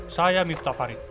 saya mipta farid